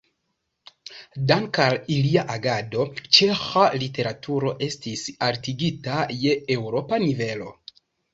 Danke al ilia agado ĉeĥa literaturo estis altigita je eŭropa nivelo.